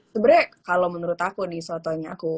sebenernya kalo menurut aku nih seotongnya aku